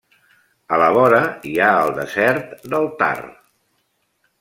A la vora hi ha el desert del Thar.